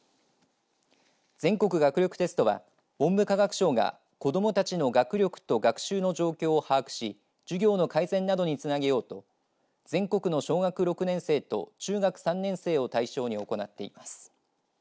全国学力テストは文部科学省が子どもたちの学力と学習の状況を把握し授業の改善などにつなげようと全国の小学６年生と中学３年生を対象に行っています。